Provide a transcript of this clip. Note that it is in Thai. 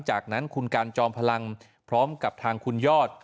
จากนั้นคุณการจอมพลังพร้อมกับทางคุณยอด